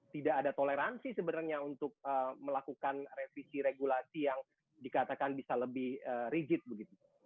tidak ada toleransi sebenarnya untuk melakukan revisi regulasi yang dikatakan bisa lebih rigid begitu